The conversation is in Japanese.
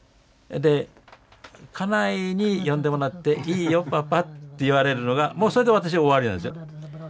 で家内に読んでもらって「いいよパパ」って言われるのがもうそれで私「終わり」なんですよ。